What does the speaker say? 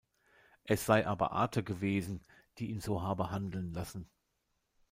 Es sei aber Ate gewesen, die ihn so habe handeln lassen.